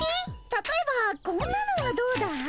たとえばこんなのはどうだい？